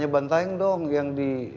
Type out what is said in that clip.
ya tanya bantaing dong yang